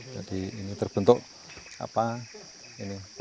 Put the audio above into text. jadi ini terbentuk pmph